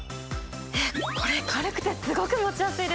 えっこれ軽くてすごく持ちやすいです！